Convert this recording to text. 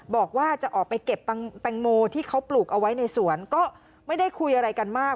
บอกว่าจะออกไปเก็บแตงโมที่เขาปลูกเอาไว้ในสวนก็ไม่ได้คุยอะไรกันมาก